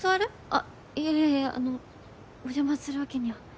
あっいやいやあのお邪魔するわけには。